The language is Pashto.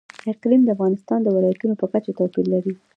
اقلیم د افغانستان د ولایاتو په کچه توپیر لري.